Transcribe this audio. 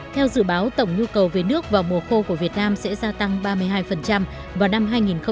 theo dự báo tổng nhu cầu về nước vào mùa khô của việt nam sẽ gia tăng ba mươi hai vào năm hai nghìn hai mươi